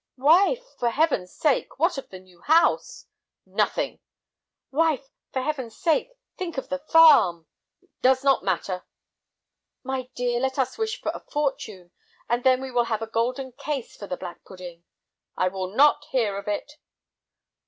"Wife, for Heaven's sake! What of the new house?" "Nothing!" "Wife, for Heaven's sake, think of the farm!" "It does not matter." "My dear, let us wish for a fortune, and then we will have a golden case for the black pudding." "I will not hear of it."